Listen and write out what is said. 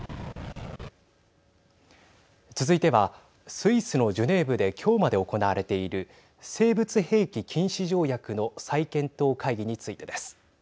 続いては、スイスのジュネーブで今日まで行われている生物兵器禁止条約の再検討会議についてです。